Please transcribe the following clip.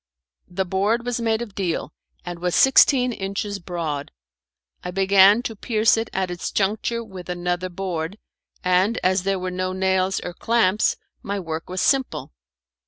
The board was made of deal, and was sixteen inches broad. I began to pierce it at its juncture with another board, and as there were no nails or clamps my work was simple.